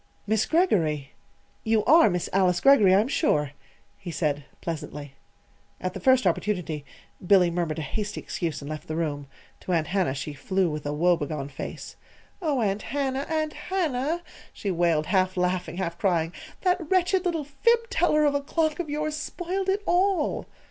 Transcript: "Miss Greggory! you are Miss Alice Greggory, I am sure," he said pleasantly. At the first opportunity Billy murmured a hasty excuse and left the room. To Aunt Hannah she flew with a woebegone face. "Oh, Aunt Hannah, Aunt Hannah," she wailed, half laughing, half crying; "that wretched little fib teller of a clock of yours spoiled it all!"